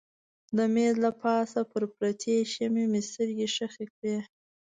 د مېز له پاسه پر پرتې شمعې مې سترګې ښخې کړې.